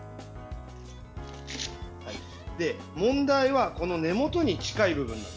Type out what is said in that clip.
問題は、この根元に近い部分。